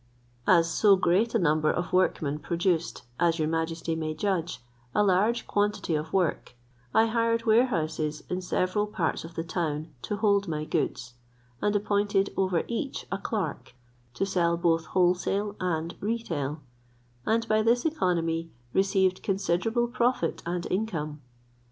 As so great a number of workmen produced, as your majesty may judge, a large quantity of work, I hired warehouses in several parts of the town to hold my goods, and appointed over each a clerk, to sell both wholesale and retail; and by this economy received considerable profit and income.